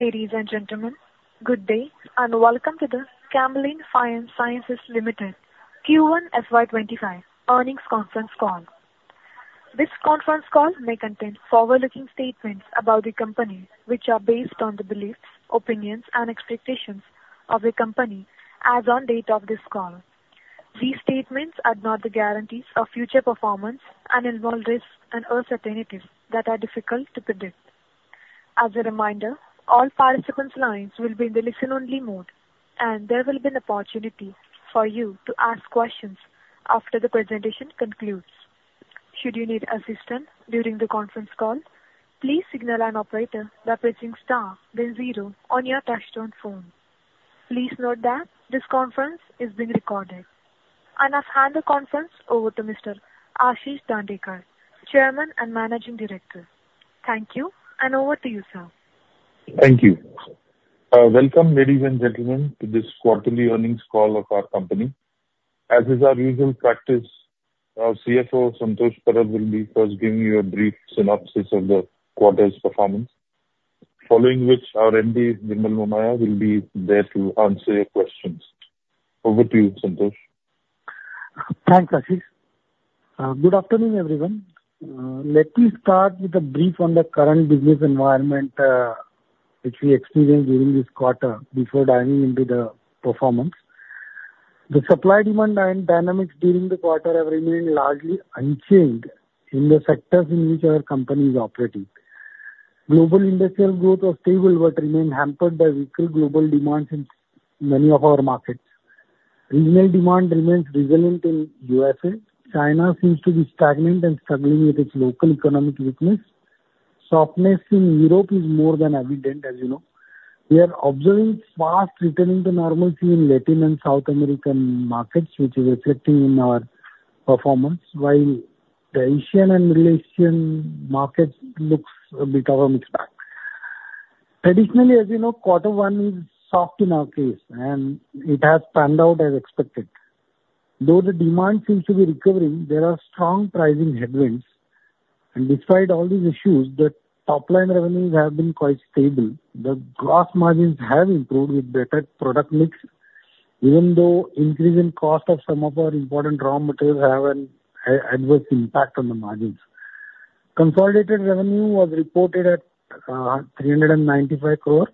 ...Ladies and gentlemen, good day, and welcome to the Camlin Fine Sciences Limited Q1 FY 2025 earnings conference call. This conference call may contain forward-looking statements about the company, which are based on the beliefs, opinions, and expectations of the company as on date of this call. These statements are not the guarantees of future performance and involve risks and uncertainties that are difficult to predict. As a reminder, all participants' lines will be in the listen-only mode, and there will be an opportunity for you to ask questions after the presentation concludes. Should you need assistance during the conference call, please signal an operator by pressing star then zero on your touch-tone phone. Please note that this conference is being recorded. I'll hand the conference over to Mr. Ashish Dandekar, Chairman and Managing Director. Thank you, and over to you, sir. Thank you. Welcome, ladies and gentlemen, to this quarterly earnings call of our company. As is our usual practice, our CFO, Santosh Parab, will be first giving you a brief synopsis of the quarter's performance, following which our MD, Nirmal Momaya, will be there to answer your questions. Over to you, Santosh. Thanks, Ashish. Good afternoon, everyone. Let me start with a brief on the current business environment, which we experienced during this quarter before diving into the performance. The supply, demand, and dynamics during the quarter have remained largely unchanged in the sectors in which our company is operating. Global industrial growth was stable, but remained hampered by weaker global demands in many of our markets. Regional demand remains resilient in USA. China seems to be stagnant and struggling with its local economic weakness. Softness in Europe is more than evident, as you know. We are observing fast returning to normalcy in Latin and South American markets, which is reflecting in our performance, while the Asian and Middle Eastern markets looks a bit of a mixed bag. Traditionally, as you know, quarter one is soft in our case, and it has panned out as expected. Though the demand seems to be recovering, there are strong pricing headwinds, and despite all these issues, the top line revenues have been quite stable. The gross margins have improved with better product mix, even though increase in cost of some of our important raw materials have an adverse impact on the margins. Consolidated revenue was reported at 395 crore,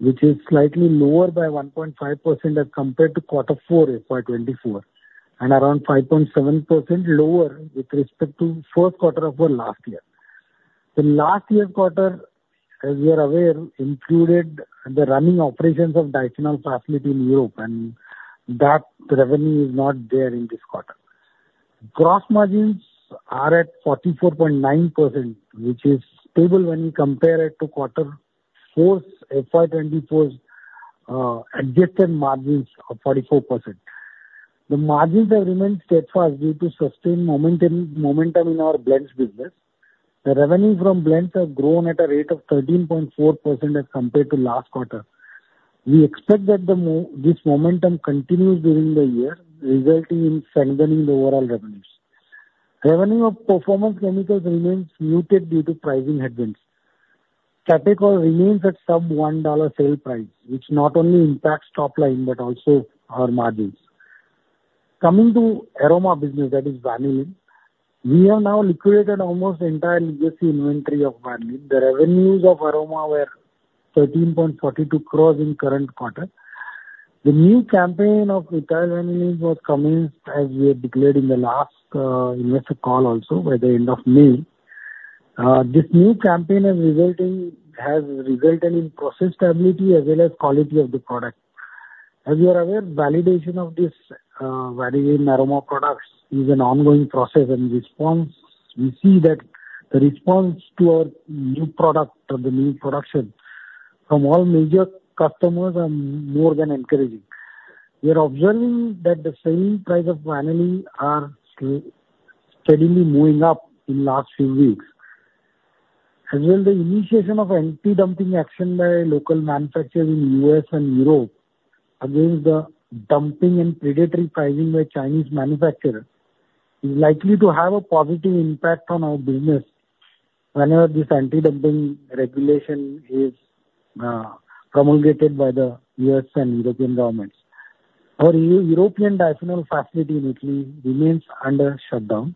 which is slightly lower by 1.5% as compared to quarter 4, FY 2024, and around 5.7% lower with respect to fourth quarter of the last year. The last year's quarter, as you are aware, included the running operations of diphenols facility in Europe, and that revenue is not there in this quarter. Gross margins are at 44.9%, which is stable when you compare it to quarter 4's FY 2024's adjusted margins of 44%. The margins have remained steadfast due to sustained momentum, momentum in our blends business. The revenue from blends have grown at a rate of 13.4% as compared to last quarter. We expect that this momentum continues during the year, resulting in strengthening the overall revenues. Revenue of performance chemicals remains muted due to pricing headwinds. Catechol remains at sub-$1 sale price, which not only impacts top line but also our margins. Coming to aroma business, that is vanillin. We have now liquidated almost the entire legacy inventory of vanillin. The revenues of aroma were 13.42 crores in current quarter. The new campaign of ethyl vanillin was commenced, as we had declared in the last investor call also, by the end of May. This new campaign has resulted in process stability as well as quality of the product. As you are aware, validation of this vanillin aroma products is an ongoing process, and in response, we see that the response to our new product or the new production from all major customers are more than encouraging. We are observing that the selling price of vanillin are steadily moving up in last few weeks, as well as the initiation of anti-dumping action by local manufacturers in U.S. and Europe against the dumping and predatory pricing by Chinese manufacturers is likely to now have a positive impact on our business whenever this anti-dumping regulation is promulgated by the U.S. and European governments. Our European Diphenol facility in Italy remains under shutdown.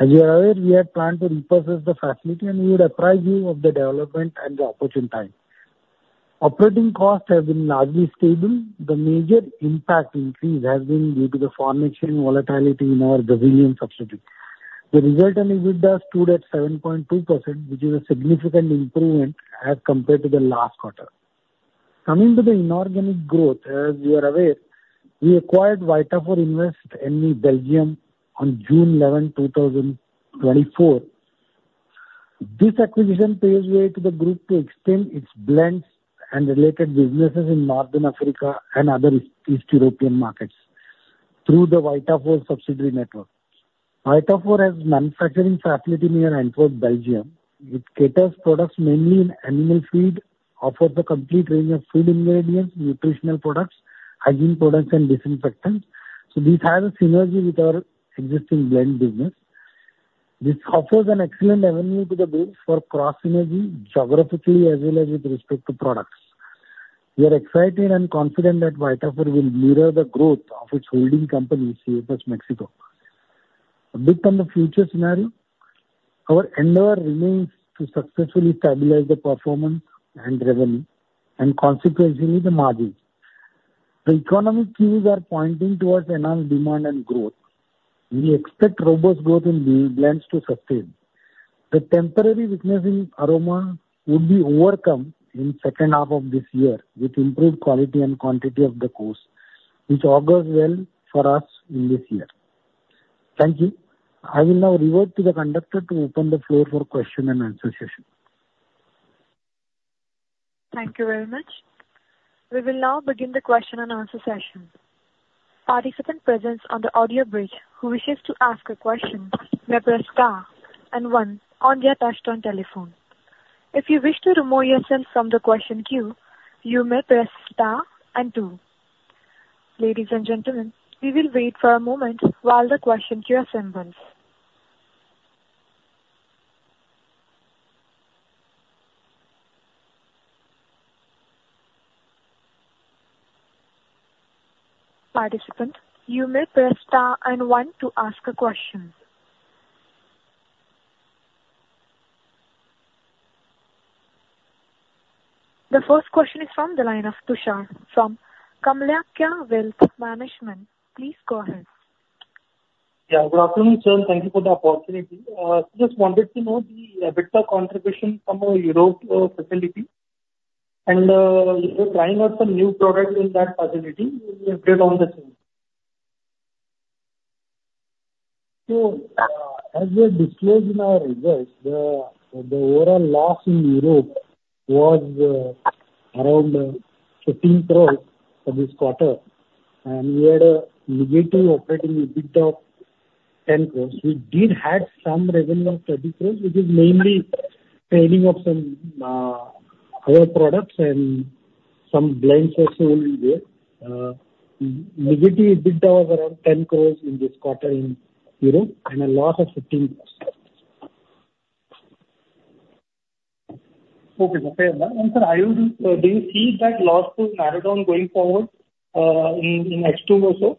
As you are aware, we had planned to repurpose the facility, and we would apprise you of the development at the opportune time. Operating costs have been largely stable. The major impact increase has been due to the foreign exchange volatility in our Brazilian subsidiary. The resulting EBITDA stood at 7.2%, which is a significant improvement as compared to the last quarter. Coming to the inorganic growth, as you are aware, we acquired Vitafor Invest NV, Belgium, on June eleventh, 2024. This acquisition paves way to the group to extend its blends and related businesses in Northern Africa and other East European markets through the Vitafor subsidiary network. Vitafor has manufacturing facility near Antwerp, Belgium, which caters products mainly in animal feed, offer the complete range of food ingredients, nutritional products, hygiene products and disinfectants. So this has a synergy with our existing blend business.... This offers an excellent avenue to the base for cross synergy, geographically as well as with respect to products. We are excited and confident that Vitafor will mirror the growth of its holding company, CFS Mexico. A bit on the future scenario, our endeavor remains to successfully stabilize the performance and revenue, and consequently, the margins. The economic theories are pointing towards enhanced demand and growth. We expect robust growth in blends to sustain. The temporary weakness in aroma would be overcome in second half of this year, with improved quality and quantity of course, which augurs well for us in this year. Thank you. I will now revert to the conductor to open the floor for question-and-answer session. Thank you very much. We will now begin the question and answer session. Participant present on the audio bridge who wishes to ask a question may press star and one on their touchtone telephone. If you wish to remove yourself from the question queue, you may press star and two. Ladies and gentlemen, we will wait for a moment while the question queue assembles. Participant, you may press star and one to ask a question. The first question is from the line of Tushar from Kamakhya Wealth Management. Please go ahead. Yeah, good afternoon, sir. Thank you for the opportunity. Just wanted to know the EBITDA contribution from European facility, and you are trying out some new product in that facility. Update on the same. As we disclosed in our results, the overall loss in Europe was around 15 crore for this quarter, and we had a negative operating EBITDA of 10 crore. We did have some revenue of 30 crore, which is mainly trading of some of our products and some blends also in there. Negative EBITDA was around 10 crore in this quarter in Europe, and a loss of 15%. Okay, fair enough. And sir, are you, do you see that loss to narrow down going forward, in next two or so?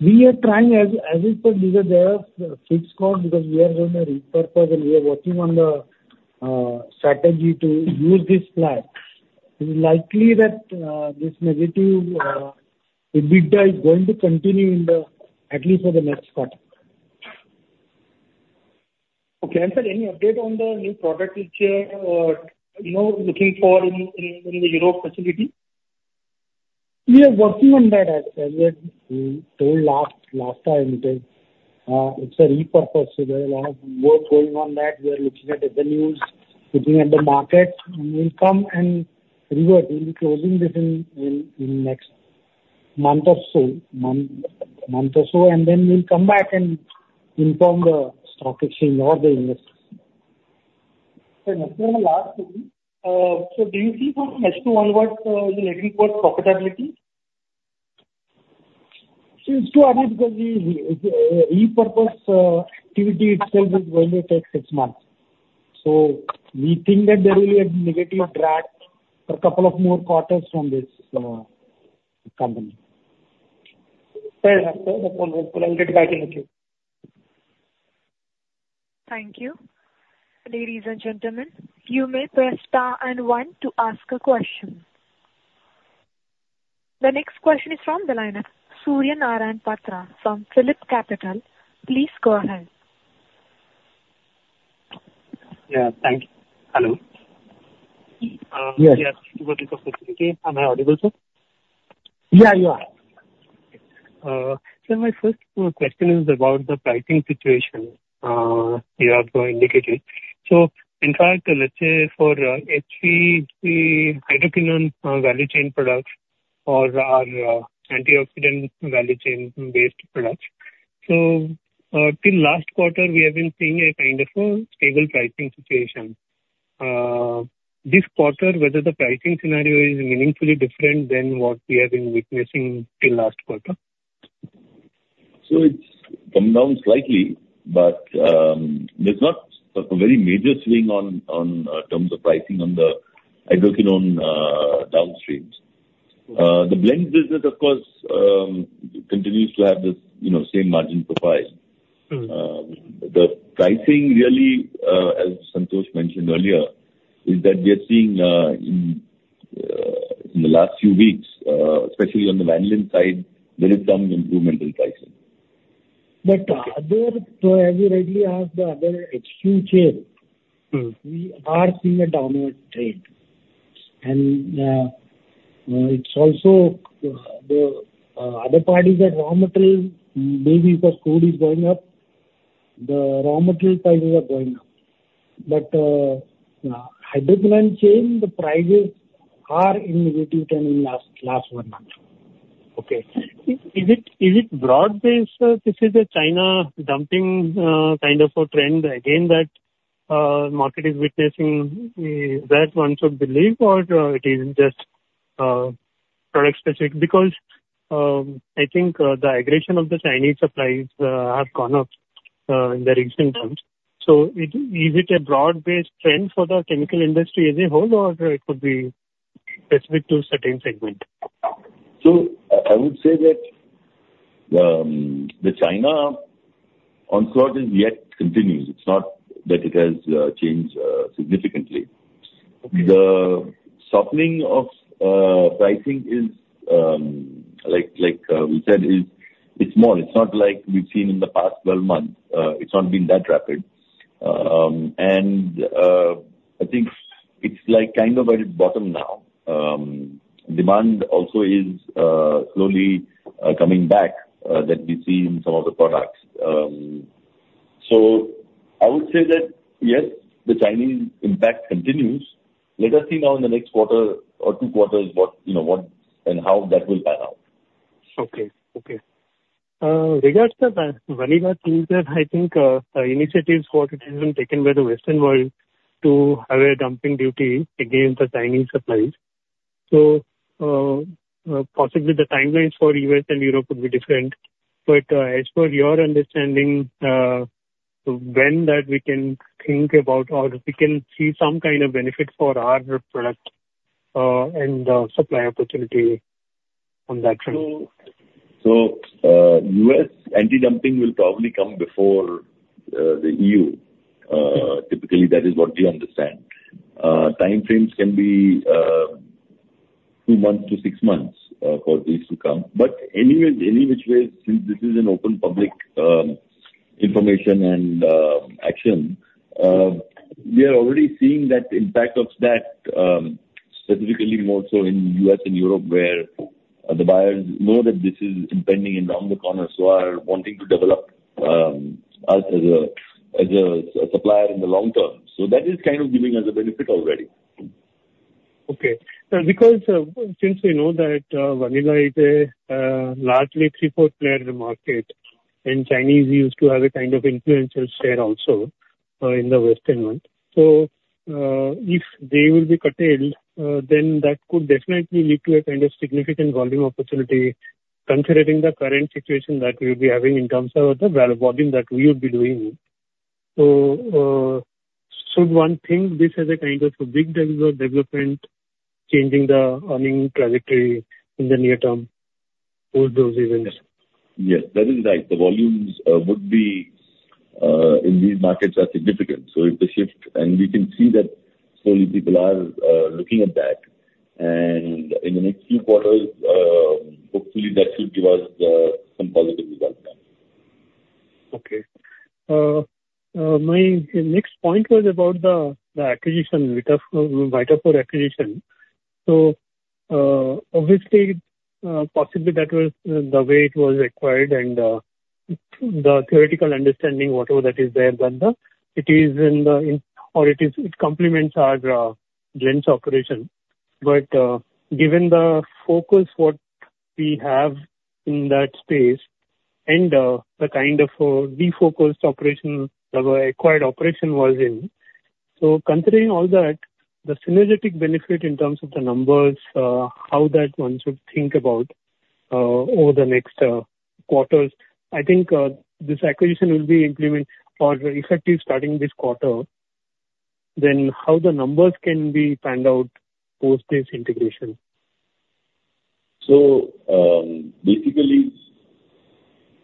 We are trying. As, as I said, because there are fixed costs, because we are doing a repurpose and we are working on the strategy to use this plant. It is likely that this negative EBITDA is going to continue in the... at least for the next quarter. Okay. And sir, any update on the new product which you are, you know, looking for in the Europe facility? We are working on that, as we told last time that it's a repurposing. So there is a lot of work going on that. We are looking at the avenues, looking at the market. We will come and revert. We'll be closing this in next month or so, and then we'll come back and inform the stock exchange or the investors. Sir, last question. Do you see for next two onwards the negative for profitability? It's too early because the repurpose activity itself is going to take six months. So we think that there will be a negative drag for a couple of more quarters from this company. Fair enough. I'll get back in the queue. Thank you. Ladies and gentlemen, you may press star and one to ask a question. The next question is from the line of Surya Narayan Patra from PhillipCapital. Please go ahead. Yeah. Thank you. Hello? Yes. Yes. Am I audible, sir? Yeah, you are. So my first question is about the pricing situation you have indicated. So in fact, let's say for HQ hydroquinone value chain products or antioxidant value chain-based products. So till last quarter, we have been seeing a kind of a stable pricing situation. This quarter, whether the pricing scenario is meaningfully different than what we have been witnessing till last quarter? So it's come down slightly, but there's not a very major swing on terms of pricing on the hydroquinone downstreams. The blend business, of course, continues to have this, you know, same margin profile. Mm-hmm. The pricing really, as Santosh mentioned earlier, is that we are seeing in the last few weeks, especially on the vanillin side, there is some improvement in pricing. So as you rightly asked, the other HQ chain- Mm. We are seeing a downward trend. It's also the other parity at raw material, maybe because crude is going up, the raw material prices are going up. But hydroquinone chain, the prices are -10% in the last one month. Okay. Is it, is it broad-based? This is a China dumping kind of a trend again, that market is witnessing, that one should believe, or it is just product specific, because I think the aggression of the Chinese suppliers has gone up in the recent months. So is it a broad-based trend for the chemical industry as a whole, or it could be specific to a certain segment? So I would say that the China onslaught yet continues. It's not that it has changed significantly. Okay. The softening of pricing is, like, like, we said, is it's small. It's not like we've seen in the past 12 months. It's not been that rapid. And, I think it's like kind of at its bottom now. Demand also is, slowly, coming back, that we see in some of the products. So I would say that, yes, the Chinese impact continues. Let us see now in the next quarter or two quarters, what, you know, what and how that will pan out. Okay. Okay. Regarding the vanillin theme, that I think, initiatives what has been taken by the Western world to have a dumping duty against the Chinese suppliers. So, possibly the timelines for U.S. and Europe would be different, but, as per your understanding, when that we can think about or we can see some kind of benefit for our product, and supply opportunity on that front? So, U.S. anti-dumping will probably come before the E.U. Typically, that is what we understand. Timeframes can be 2 months to 6 months for these to come, but any which way, since this is an open public information and action, we are already seeing that impact of that, specifically more so in U.S. and Europe, where the buyers know that this is impending and around the corner, so are wanting to develop us as a supplier in the long term. So that is kind of giving us a benefit already. Okay. Because, since we know that, vanillin is a largely 3-4 player in the market, and Chinese used to have a kind of influential share also in the Western world. So, if they will be curtailed, then that could definitely lead to a kind of significant volume opportunity, considering the current situation that we'll be having in terms of the volume that we would be doing. So, should one think this as a kind of a big developer development, changing the earning trajectory in the near term for those reasons? Yes, that is right. The volumes would be in these markets are significant, so if they shift... And we can see that slowly people are looking at that. And in the next few quarters, hopefully, that should give us some positive results then. Okay. My next point was about the acquisition, Vitafor, Vitafor acquisition. So, obviously, possibly that was the way it was acquired and the theoretical understanding, whatever that is there, then it is in the... Or it complements our blends operation. But, given the focus what we have in that space and the kind of defocused operation, the acquired operation was in, so considering all that, the synergetic benefit in terms of the numbers, how that one should think about over the next quarters. I think, this acquisition will be implement or effective starting this quarter, then how the numbers can be panned out post this integration? So, basically,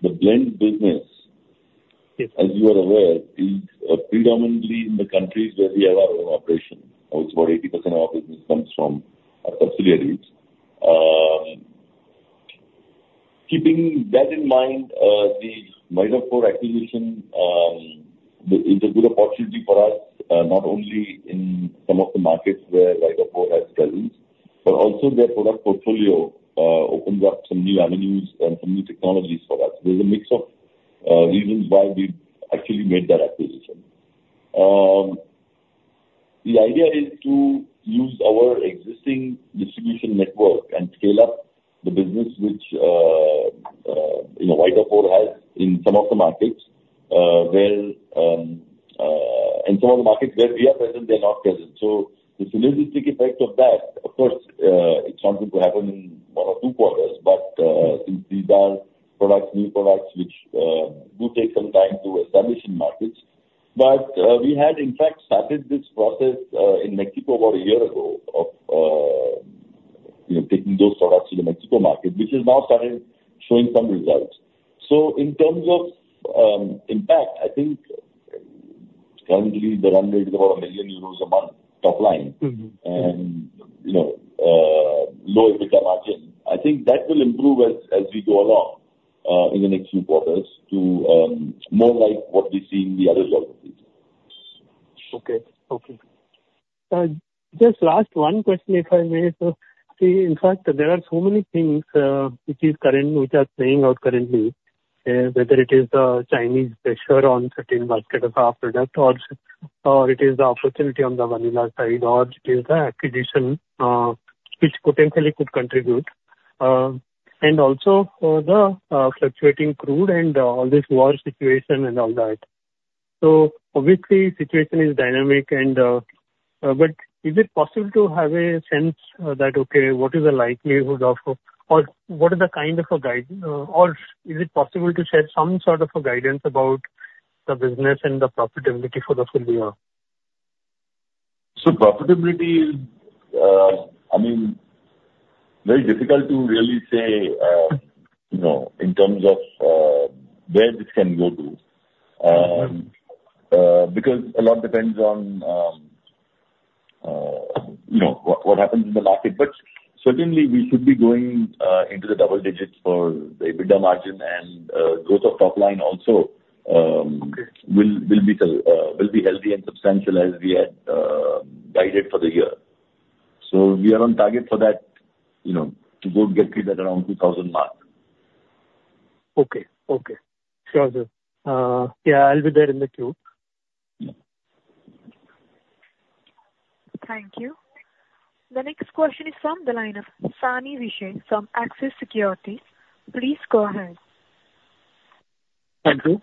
the blend business- Yes. As you are aware, is predominantly in the countries where we have our own operation. Almost 80% of our business comes from our subsidiaries. Keeping that in mind, the Vitafor acquisition is a good opportunity for us, not only in some of the markets where Vitafor has presence, but also their product portfolio opens up some new avenues and some new technologies for us. There's a mix of reasons why we actually made that acquisition. The idea is to use our existing distribution network and scale up the business, which, you know, Vitafor has in some of the markets where we are present, they're not present. So the synergistic effect of that, of course, it's not going to happen in one or two quarters, but, since these are products, new products, which, do take some time to establish in markets. But, we had, in fact, started this process, in Mexico about a year ago of, you know, taking those products to the Mexico market, which has now started showing some results. So in terms of, impact, I think currently they run at about 1 million euros a month, top line. Mm-hmm. You know, low EBITDA margin. I think that will improve as we go along in the next few quarters to more like what we see in the other businesses. Okay. Okay. Just last one question, if I may. So, in fact, there are so many things which are playing out currently, whether it is the Chinese pressure on certain market of our product or it is the opportunity on the vanilla side, or it is the acquisition which potentially could contribute. And also for the fluctuating crude and all this war situation and all that... So obviously, situation is dynamic, but is it possible to have a sense that, okay, what is the likelihood of, or what is the kind of a guide, or is it possible to share some sort of a guidance about the business and the profitability for the full year? So profitability, I mean, very difficult to really say, you know, in terms of where this can go to. Because a lot depends on, you know, what, what happens in the market. But certainly we should be going into the double digits for the EBITDA margin, and growth of top line also. Okay. will be healthy and substantial as we had guided for the year. So we are on target for that, you know, to go get it at around 2000 mark. Okay. Okay. Sure, sir. Yeah, I'll be there in the queue. Yeah. Thank you. The next question is from the line of Vishal Saini from Axis Securities. Please go ahead. Thank you.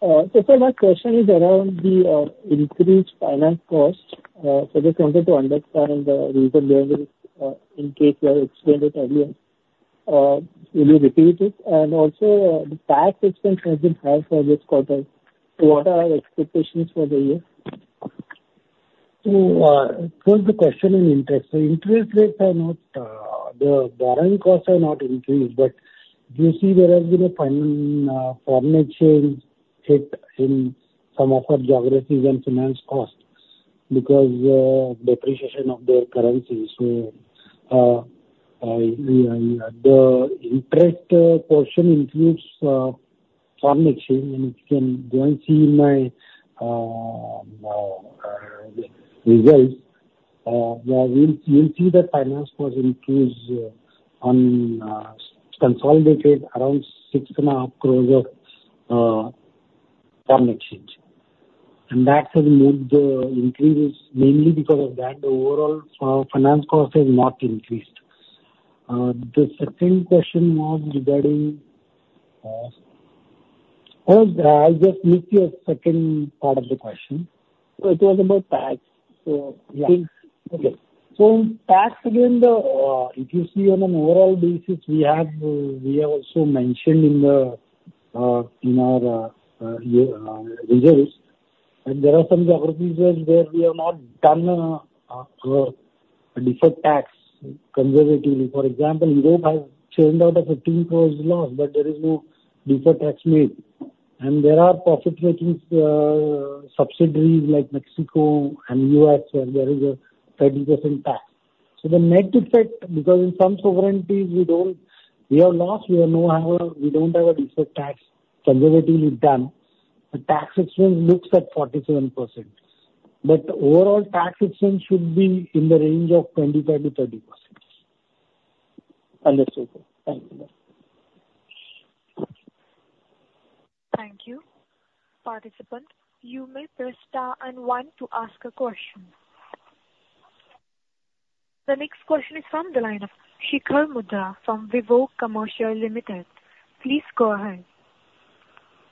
So sir, my question is around the increased finance costs. So just wanted to understand the reason there is, in case you have explained it earlier, will you repeat it? And also, the tax expense has been high for this quarter, so what are our expectations for the year? So, first the question on interest. Interest rates are not; the borrowing costs are not increased, but you see there has been a foreign exchange hit in some of our geographies and finance costs because of depreciation of their currency. The interest portion includes foreign exchange, and you can go and see in my results; you will see that finance cost increased on consolidated around 6.5 crores of foreign exchange. And that has made the increase. Mainly because of that, the overall finance cost has not increased. The second question was regarding... I just missed your second part of the question. It was about tax, so- Yeah. Okay. In tax, again, if you see on an overall basis, we have also mentioned in our results, and there are some geographies where we have not done a deferred tax conservatively. For example, Europe has turned out an 15 crore loss, but there is no deferred tax made. There are profit-making subsidiaries like Mexico and US, where there is a 30% tax. So the net effect, because in some sovereignties we don't, we have losses, however, we don't have a deferred tax conservatively done. The tax expense looks at 47%, but overall tax expense should be in the range of 25%-30%. Understood, sir. Thank you. Thank you. Participant, you may press star and one to ask a question. The next question is from the line of Shikhar Mundra from Vivog Commercial Limited. Please go ahead.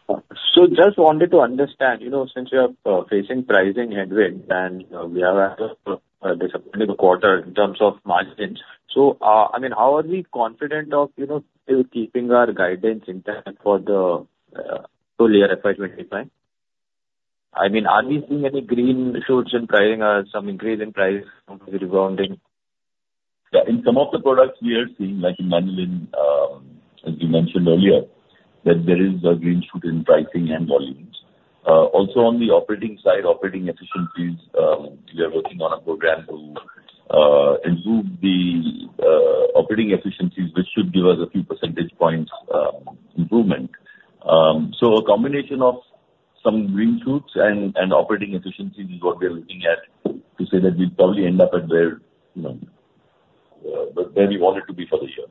So just wanted to understand, you know, since we are facing pricing headwinds and we have had a disappointing quarter in terms of margins. So, I mean, how are we confident of, you know, still keeping our guidance intact for the full year, FY 2025? I mean, are we seeing any green shoots in pricing, some increase in price rebounding? Yeah, in some of the products we are seeing, like in vanillin, as we mentioned earlier, that there is a green shoot in pricing and volumes. Also on the operating side, operating efficiencies, we are working on a program to improve the operating efficiencies, which should give us a few percentage points improvement. So a combination of some green shoots and operating efficiencies is what we are looking at, to say that we'll probably end up at where, you know, where we wanted to be for this year.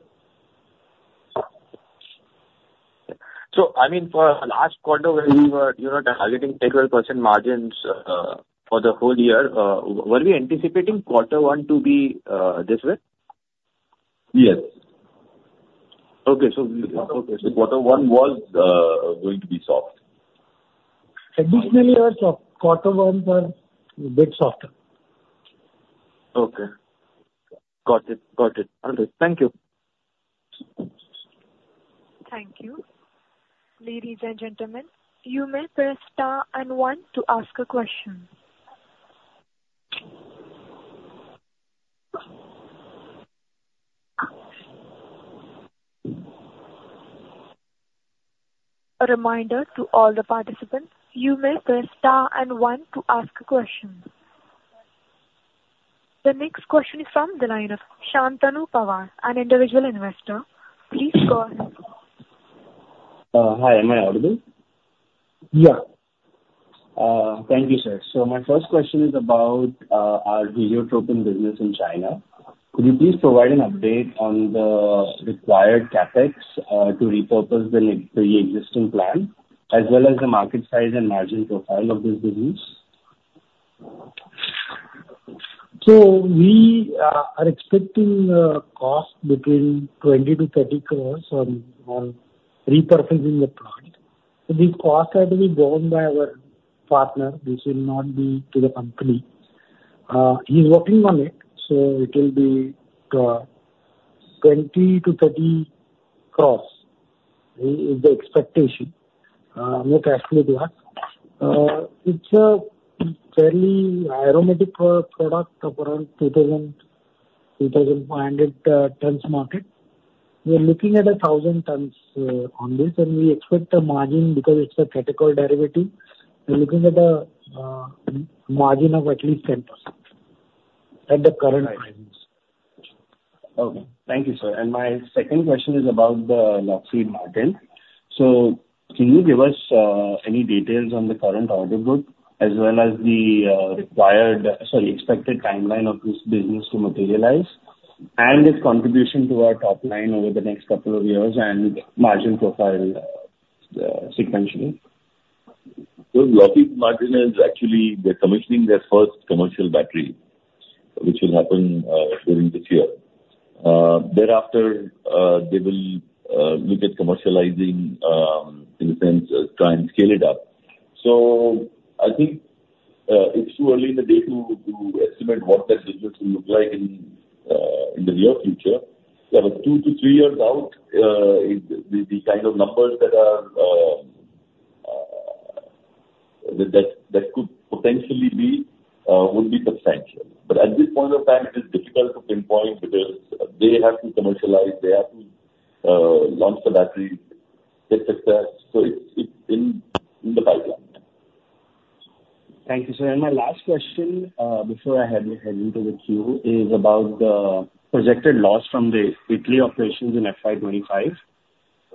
So, I mean, for last quarter when we were, you know, targeting 10%-12% margins, for the whole year, were we anticipating quarter one to be this way? Yes. Okay, so... Quarter one was going to be soft. Additionally, our quarter ones are a bit softer. Okay. Got it. Got it. Understood. Thank you. Thank you. Ladies and gentlemen, you may press star and one to ask a question. A reminder to all the participants, you may press star and one to ask a question. The next question is from the line of Shantanu Pawar, an individual investor. Please go ahead. Hi. Am I audible? Yeah. Thank you, sir. So my first question is about our Heliotropin business in China. Could you please provide an update on the required CapEx to repurpose the existing plant, as well as the market size and margin profile of this business?... So we are expecting a cost between 20 crore-30 crore on repurposing the plant. So this cost had to be borne by our partner, this will not be to the company. He's working on it, so it will be 20-30 crore, is the expectation. We'll actually ask. It's a fairly aromatic product of around 2,000-ton market. We are looking at 1,000 tons on this, and we expect the margin, because it's a catechol derivative, we're looking at a margin of at least 10% at the current prices. Okay. Thank you, sir. And my second question is about the Lockheed Martin. So can you give us any details on the current order book, as well as the required, sorry, expected timeline of this business to materialize, and its contribution to our top line over the next couple of years, and margin profile sequentially? So Lockheed Martin is actually, they're commissioning their first commercial battery, which will happen during this year. Thereafter, they will look at commercializing, in a sense, try and scale it up. So I think, it's too early in the day to estimate what that business will look like in the near future. But two to three years out, the kind of numbers that are that could potentially be will be substantial. But at this point of time, it is difficult to pinpoint because they have to commercialize, they have to launch the battery, et cetera. So it's in the pipeline. Thank you, sir. My last question, before I hand over to you, is about the projected loss from the Italy operations in FY 2025.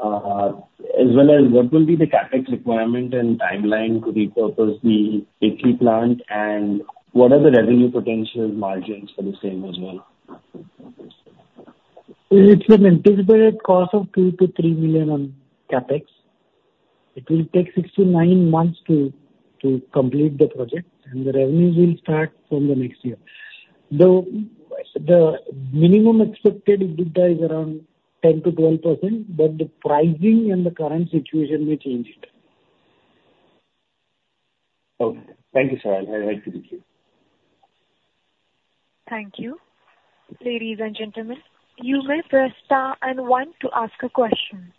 As well as what will be the CapEx requirement and timeline to repurpose the Italy plant, and what are the revenue potential margins for the same as well? It's an anticipated cost of 2 million-3 million on CapEx. It will take 6 months-9 months to complete the project, and the revenues will start from the next year. The minimum expected EBITDA is around 10%-12%, but the pricing and the current situation may change it. Okay. Thank you, sir. I'll hand over to the queue. Thank you. Ladies and gentlemen, you may press star and one to ask a question.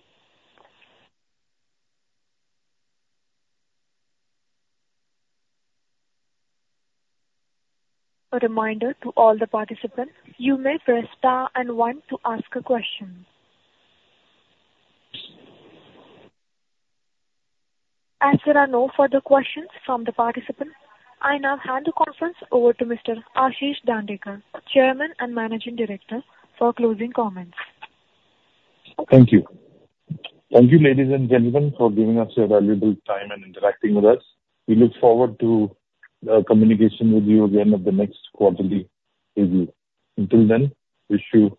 A reminder to all the participants, you may press star and one to ask a question. As there are no further questions from the participants, I now hand the conference over to Mr. Ashish Dandekar, Chairman and Managing Director, for closing comments. Thank you. Thank you, ladies and gentlemen, for giving us your valuable time and interacting with us. We look forward to the communication with you again at the next quarterly review. Until then, wish you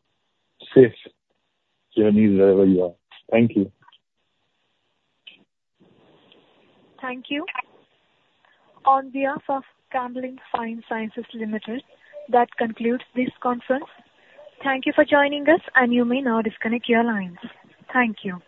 safe journeys wherever you are. Thank you. Thank you. On behalf of Camlin Fine Sciences Limited, that concludes this conference. Thank you for joining us, and you may now disconnect your lines. Thank you.